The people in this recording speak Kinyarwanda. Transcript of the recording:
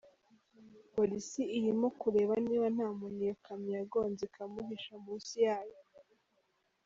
Polisi irimo kureba niba nta muntu iyo kamyo yagonze ikamuhisha munsi yayo.